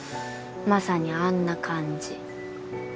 まさにあんな感じ。